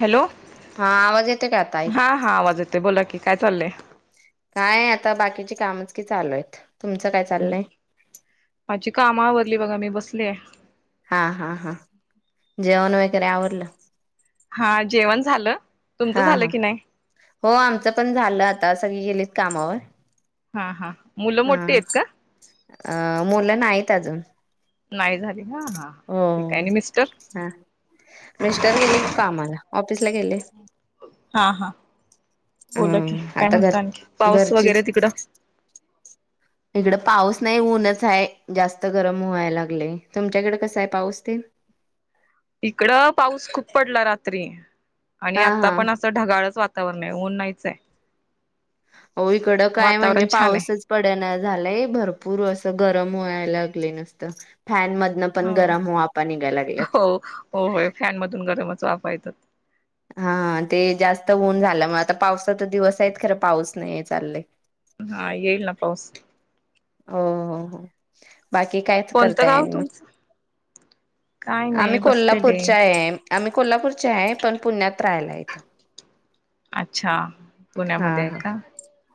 Hello, हा आवाज येतोय का आता ऐक हा हा आवाज येतोय, बोला की काय चाललंय? काय आता बाकीची, कामच कि चालू आहेत. तुमचं काय हम्म चाललंय माझी कामं आवरली बघा, मी बसलीय. हा हा हा जेवण वगैरे आवरलं? हा, जेवण झालं. तुमचं हा झालं हा की नाही हो आमचं पण झालं आता, सगळी गेलीत कामावर. हा हा मुलं हा मोठी आहेत का? अ मुलं, नाहीत अजून. नाही झाली ना, हा, हो ठीक आहे आणि मिस्टर? हा मिस्टर गेले की कामाला, ऑफिसला गेले. हा हा बोला की हां.. काय आता, म्हणता आणखी घर पाऊस घरची वगैरे तिकडं इकडं पाऊस नाही, ऊनच आहे. जास्त गरम व्हायला लागले, तुमच्याकडे कसं आहे? पाऊस ते [inaudible] इकडं, पाऊस खूप पडला रात्री, आणि हा आता हा पण असं ढगाळच वा वातावरण नाही, ऊन नाहीच आहे. हो इकडं काय? म्हणजे वातावरण छान आहे पाऊसच पडेना. झालंय भरपूर, असं गरम व्हायलागले नुसतं. फॅन मधनं पण, हो गरम वाफा निघायला लागल्यात. हो हो होय फॅन मधून गरमच वाफा येतात. हा ते जास्त ऊन झालं. मग आता, पावसाचं दिवस आहेत खरं पाऊस नाही, हे चाललंय. हा, येईल ना पाऊस. हो हो हो. बाकी कायच कोणतं करताय गाव आणि मग? तुमचं काय नाही आम्ही बसलेले कोल्हापूरच्या आहे आम्ही कोल्हापूरचे आहे, पण पुण्यात राहायला आहे इथं. अच्छा, हा पुण्यामध्ये आहे हा का?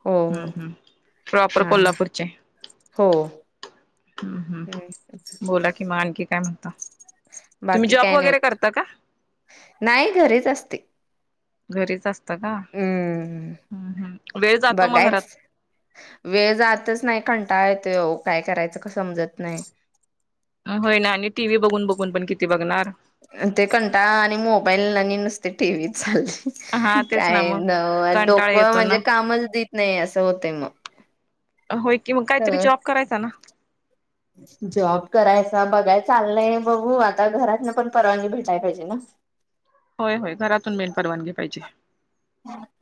हो हम्म हो हम्म प्रॉपर हा हा. कोल्हापूरचे आहे. हो. हम्म हम्म बोला कि म आणखी काय म्हणता? तुम्ही बाकी जॉब काय नाही बघ वगेरे करता का? नाही घरीच असते घरीच असत का? हम्म हम्म. वेळ जातो मग घरात बगायच वेळ जातच नाइ कंटाळ त्येव काय करायच का समजत नइ होय ना आणि टी वी बघून बघून पण किती बघणार. ते कंटा आणि मोबाईल आणि नुसते टीव्ही चालय हा तेच ना काय मग न कंटाळा डोक येतो म्हणजे ना कामच देत नाही अस होतय मग. होय कि मग काईतरी सगळं जॉब करायचा ना जॉब करायचा बघाय चाललय बघू आता घरात न पण परवानगी भेटाय पाइजे ना. होय होय घरातून मेन परवानगी पाहिजे.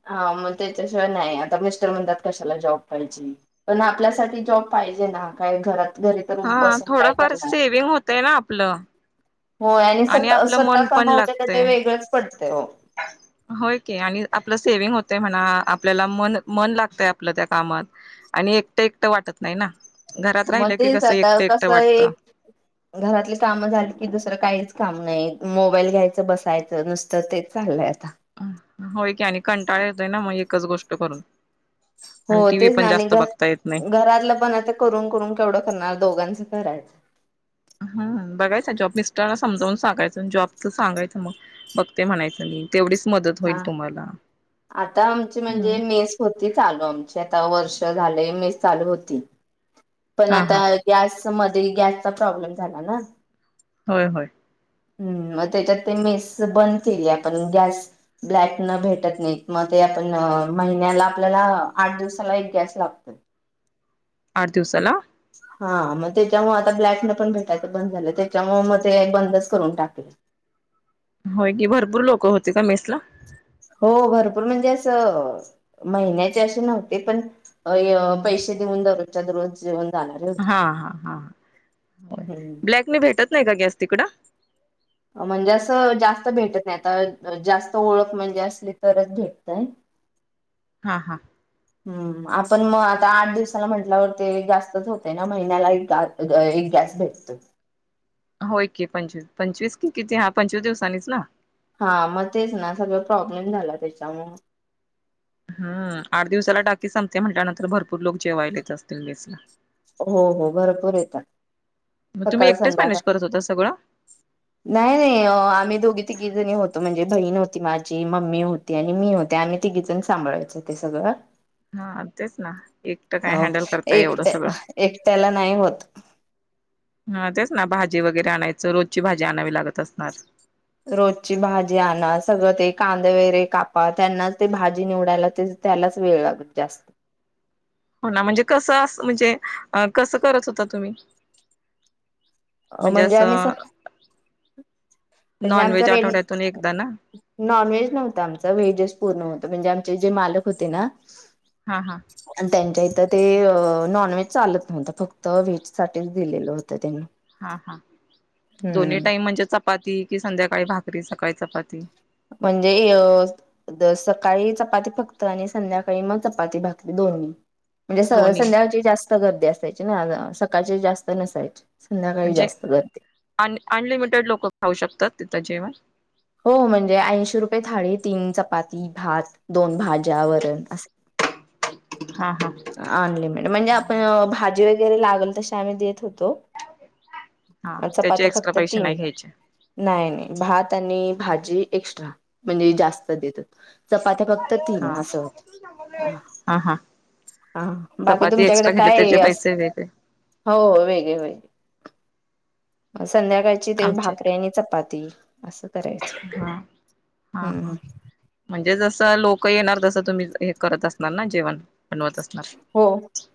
हा मग त्याच्याशिवाय नाई आता मिस्टर म्हणतात कशाला जॉब पाहिजे पण आपल्यासाठी जॉब पाहिजे ना, काय घरात घरी तरून हा बसून काय थोडंफार करणार? सेविंग होतय ना आपलं हो आणि सता आपलं स्वतः मन पण कमावल्या तर ते लागतय वेगळच पडते हो. होय के आणि आपल सेवव्हीग हो ते म्हणा आपल्याला मन मन लागतय आपलं त्या कामात आणि एकट एकट वाटत नाई ना घरात म राहिलं की तेच कसं आता एकटं कस एकटं वाटतं एक घरातली काम झाली कि दुसर काहीच काम नाही मोबाईल घ्यायच बसायच नुसत तेच चाललय आता होय की आणि कंटाळ येतोय ना मग एकच गोष्ट करून. हो आणि टी व्ही तेच ना पण आणि जास्त ग बघता येत नाही घरातल पण आ ते करून करून केवढ करणार दोघांच करायच हम् बघायचा जॉब मिस्टरला समावून सांगायच जॉबच सांगायच मग बघते म्हणायच मी. तेवढीच मदत हा होईल तुम्हाला आता आमची हम्म, म्हणजे मेस होती चालू आमची वर्ष झालय मेस चालू होती पण हा हा आता गॅस मध्ये गॅसचा प्रॉब्लेम झाला ना होय होय. ह् मग त्याच्यात मेस बंद केली आपण गॅस बॅक न भेटत नाही म आपण महिन्याला आपल्याला आठ दिवसाला एक गॅस लागतोय. आठ दिवसला? हा मग त्याच्यामुळ आता ब्लॅकने पण भेटायच बंद झाल त्याच्यामुळ मग ते बंदच करून टाकल. [inaudible] होय की, भरपूर लोक होते का मेस ला? हो भरपूर म्हणजे अस महिन्याचे अशे नव्हते पण पैशे [unintelligible] हा हा हा, हम्म ब्लॅक ने भेटत नाही का गॅस तिकड? म्हणजे अस जास्त भेटत नाय आता जास्त ओळख म्हणजे असली तरच भेटतय. [inaudible] हा हा. हम्म आपण मग आता आठ दिवसाला म्हटल्यावर ते जास्तच होते ना महिन्याला एक गॅस भेटतोय. होय की पंचवीस, पंचवीस की किती हा पंचवीस दिवसांनीच ना? हा मग तेच ना सगळ प्रॉब्लेम झाला त्याच्यामूळ. हा, आठ दिवसाला टाकी संपते म्हटल्यानंतर भरपूर लोक जेवायलेच असतील मेसला. हो हो भरपूर येता. मग तुम्ही सकाळी एकटेच संध्याकाळ मॅनेज करत होता सगळं नाही नाही आमी दोगी तिघीजणी होतो म्हणजे बहीण होती, माझी मम्मी होती आणि मी होते आम्ही तिघीजण सांभाळायच ते सगळ हा तेच ना एकट काय हँडल करताय एवढ सगळ. त्याला नाही होत. हा तेच ना भाजी वगैरे आणायच रोजची भाजी आणावी लागत असणार. रोजची भाजी आणा सगळ ते कांदे वगैरे कापा त्यांना ते भाजी निवडायला ते त्यालाच वेळ लागत जास्त हो ना म्हणजे कसं अस म्हणजे कसं करत होता तुम्ही म्हणजे आम्ही स म्हणजे आमचा नॉनव्हेज रे आठवड्यातून एकदा ना नॉन व्हेज नव्हत आमचा व्हेजस पूर्ण होत म्हणजे आमचे जे मालक होते ना हा हा त्यांच्या इथं ते नॉन व्हेज चालत नव्हतं फक्त व्हेज साठीच दिलेलं होतं त्यांनी हा हा दोन्ही हम्म टाईम म्हणजे चपाती कि संध्याकाळी भाकरी सकाळी चपाती म्हणजे सकाळी चपाती फक्त आणि संध्याकाळी मग चपाती भाकली दोन् म्हणजे दोन्ही संध्याकाची जास्त गर्दी असायची ना सकाळची जास्त नसायची संध्याकाळी म्हणजे जास्त गर्दी. अनलिमिटेड लोक खाऊ शकतात तिथं जेवण हो म्हणजे ऐंशी रुपये थाळी तीन चपाती भात दोन भाज्या वरण असे हा अनलिमिटेड म्हणजे आपण हा भाजी व वगैर लागल तसे आम्ही देत होतो हा त्याचे चपात्या एक्स्ट्रा फक्त पैसे नाही तीन घ्यायचे नाही नाही भात आणि भाजी एक्स्ट्रा म्हणजे जास्त देतात चपात्या फक्त हा तीन असं होत हा हा हा बाकी चपाती तुमच्याकडे एक्स्ट्रा घेतली काय त्याचे अस पैसे वेगळे हो वेगळे वेग संध्याकाळची ते आमचे भाकरीे आणि चपाती असं करायचं हा हा हम्म हा म्हणजे जसं लोक येणार तसं तुम्ही हे करत असणार ना जेवण बनवत असणार हो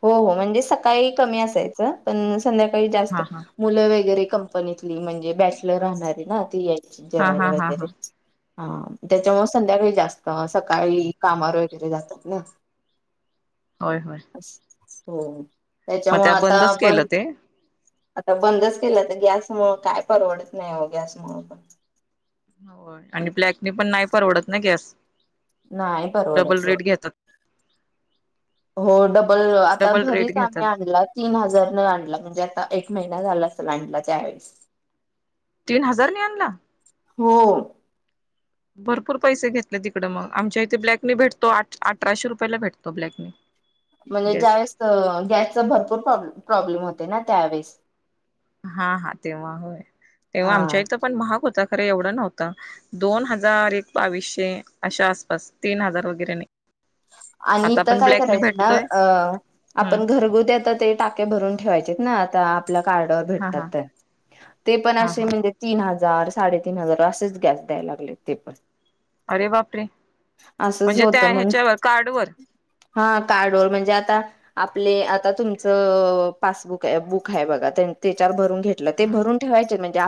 हो हो म्हणजे सकाळी कमी असायचं पण संध्याकाळी जास्त हा हा मुलं वगैरे कंपनीतली म्हणजे बॅचलर राहणारे ना ते हा जेवायला हा हा हा वगैरे हा त्याच्यामुळे संध्याकाळी जास्त अ सकाळी कामावर वगैरे जातात ना हो हो हो त्याच्यामु आता आपण केलं ते आता बंदच केलं तर गॅसमु काय परवडत नाही हो गॅस मु पण हो आणि ब्लॅकनी पण नाही परवडत ना गॅस नाहीय डबल परवडच रेट घेतात हो डबल आता डबल रेट घरीच घेतात आम्ही आणला तीन हजार न आणला म्हणजे आता महिना झाला असत अला चवेेळेस तीन हजार नाही आणला हो भरपूर पैसे घेतले तिकडें मग आमच्या इथे ब्लॅकने भेटतो अठराशे रुपयाला भेटतो ब्लॅकने म्हणजे ज्यावेेळेस गॅसचा भरपूरॉ् प्रॉब्लेम होते ना त्यावेळेस हा हा तेव्हा होय तेव्हा हा आमच्या इथं पण महाग होता खरं एवढं नव्हतं दोन हजार एक बावीसशे अशा आसपास तीन हजार वगैरे नाही ह आणि आता इथं आपण काय ब्लॅकने करायच ना भेटतोय अ हम्म आपण घरगुतीता ते टाके भरून ठेवायचेत ना म्ह हा हा हा हा हजार साडेतीीन हजार असेच गॅस द्याय लागले ते पण अरे बापरे असंच म्हणजे त्या होतं म्हणून ह्याच्यावर कार्ड व हा कार्ड व म्हणजे आता आपले आता तुमचं पासबुक आहे बुक आहे बघा त्यां ते चार भरून घेतलं ते हा भून ठेवायचे म्हणज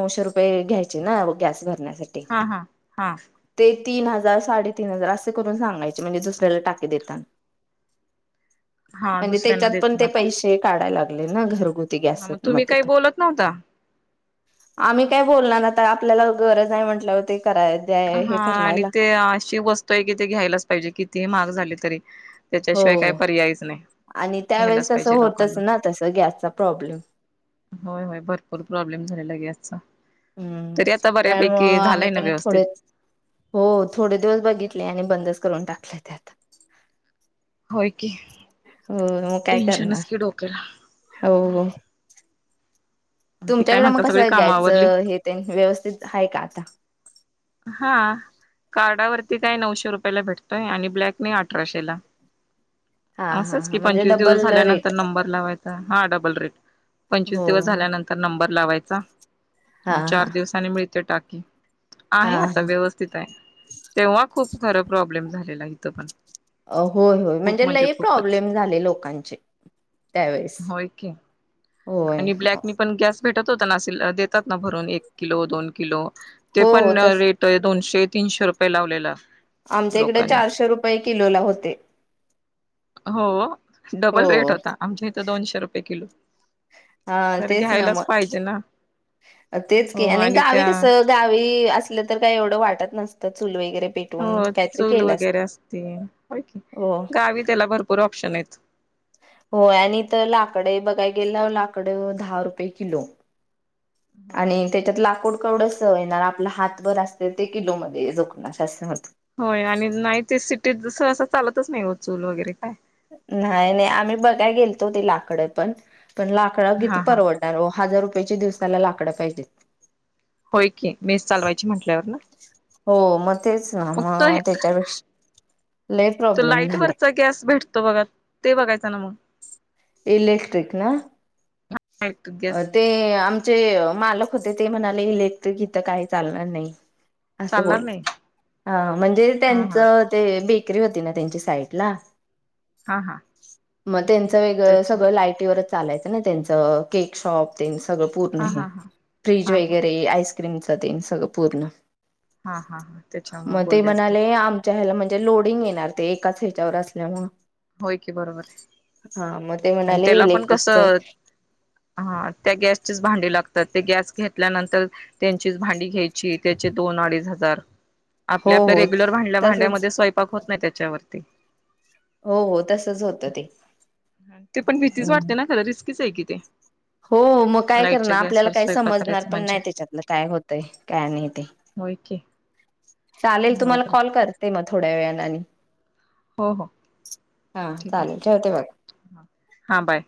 ऊश र हा हा हा त ह सा तीन हजार असे करून सांगाय म्हणजे दुसऱ्याला टाके दता हा म्हणजे दुसऱ्यांना त्याच्यात पण ते देताना का पैसे काढायला लागले ना घर ुती गॅस हा मग म तुम्ही काही पण बोलत नव्हता आम्ही काय बोलणार आता आपल्याला गरज नाही म्हंटल्यावर ते कराय द्या हे करराला अ वस्तू आहेि ते घ्यायलाच पाहिजे कितीही महाग झाली तरी हो त्याच्याशिवाय काही पर्यायच नाही आणि त्यावेेळेस घ्यायलाच तसं पाहिजे होतच लोकांना ना तस गॅसचा प्रॉब्लेम होय होय भरपूर प्रॉब्लेम झालेला गे याचा हम्म त्यामु आम्ही ना पण व्यवस्थित थोडेच हो थोडे दिवस बघितले आणि बंदच करून टाकले त्यात हो की हो मग काय टेन्शनच करणार की डोक्याला हो हो आणखी काय तुमच्याकडे मग म्हणता सगळी कसं काम आवरली घ्यायचं हे त्यां व्यवस्थित आहे का आता हा कार्डावरती काय नऊशे रुपयाला भेटतोय आणि ब्लॅक नाही अठराशेला हा हा असंच हा की म्हणजे पंचवीस दिवस डबल झाल्यानंतर रेट नंबर लावायचा हा डबल रेट पंचवीस हो दिवस हो झाल्यानंतर नंबर लावायचा हा चार हा. दिवसाांनी मिळते टाक हा आहे आता व्यवस्थित आहे तेव्हा खूप खरं प्रॉब्लेम झालेला इथं पण अ होय होय खूप म्हणजे लही खूपच प्रॉब्लेम झाले लोकांचे त्यावेेळेस होय की आणि ब्लॅकी पण गॅस भेटत होता नाे देतात ना भरून एक किलो दोन किलो ते हो हो पण तस रेट आहे दोनशे तीनशे रुपये लावलेला आमच्या इकडे लोकांनी चारशे रुपये किलो ला होते हो हो डबल रेट होता आमच्या इथं दोनशे रुपये किलो हा तर तेच ना घ्यायलाच मग पाहिजे ना तेच की हो आणि गावी त्या कस गावी अस तर का एवढ वाटत नसत चुलवे हो चूल वगैरे असते हो गावी त्याला भरपूर ऑप्शन आहेत हो आणि तर लाकड बघाय गेलं लाकड दहा रुपये किलो होय आणि त्याच्यात लाकूड वड स येणार आपला हातभर असते ते किलो म जोणार होय आणि नाही ते सिटीत सहसा चालतच नाही हो चूल वगैरे काय नाही नाही आम्ही बघाय गेलतो ति लाकडे पण लाकडं किती हा हा परवडणारं हजार रुपयाची दिवसाला लाकडं पाहिजे होय की मीस चालवायची म्हटल्यावर ना हो मग तेच ना तो हे मग त्याच्यापेक्षा लय तो प्रॉब्लेम लाइट झालाय वरचा गॅस भेटतो बघा ते बघायचं ना मग इलेक्ट्रिक ना लाईट अ गॅस ते आम जे मालक होते ते म्हणाले इलेख तर गीथ काही चालणार नाही असं ब चालणार नाही ह म्हणजे हा त्यांच हा ते ब विक्री होती ना त्यांची साईड ला हा हा मग त्यांचं वेगळं त्याच्या सगळं लायटीवरच चालायचं ना त्यांच केकशॉप त्यांच सगळ पूर्ण हा हे हा हा फ्रीज हा हा वगैरे आईस्क्रीमचात सगळं पूर्ण हा हा हा त्याच्यामुळे बोलले असते ला म्हणजे लोडिंग येणार ते एकाच हच्यावर असल्यामुळे होय की बरोबर आहे ते आणि म्हणाले त्याला पण इलेक्ट्रिकच कसं हा त्या गॅसचीच भांडी लागतात ते गॅस घेतल्यानंतर त्यांचीच भांडी घ्यायची त्याचे दोन अडीच हजार हो आपापल्या हो रेगुलर तसच भांड्यामध्ये स्वयंपाक होत नाही त्याच्यावरती हो हो तसच होतं ते ते पण भीतीच हम्म वाटते ना खं रिस्कीच आहे कि ते हो मग काय लाईटच्या करणार आपल्याला गॅसवर काही स्वयंपाक समजणार करायचं पण म्हणजे नाही त्याच्यातलं काय होतय काय नाही ते होके चालेल तुम्हाला कॉल करते मग थोड्या वेळाला आणि हो ह हा ठीक चालेल ठेवते बघा. आहे हा बाय